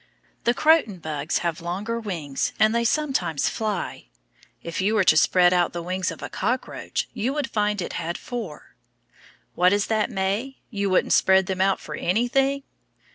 The croton bugs have longer wings and they sometimes fly. If you were to spread out the wings of a cockroach, you would find it had four. What is that, May? You wouldn't spread them out for anything?